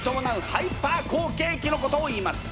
ハイパー好景気のことをいいます。